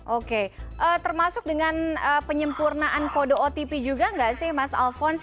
oke termasuk dengan penyempurnaan kode otp juga nggak sih mas alphonse